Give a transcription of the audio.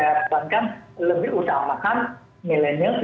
kita usahakan milenials dan yang lebih muda untuk berurusan dengan masalah digital ini